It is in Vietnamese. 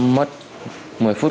mất một mươi phút